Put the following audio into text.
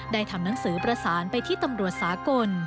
ทำหนังสือประสานไปที่ตำรวจสากล